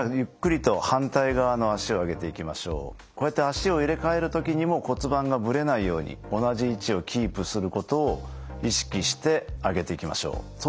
こうやって脚を入れかえる時にも骨盤がぶれないように同じ位置をキープすることを意識して上げていきましょう。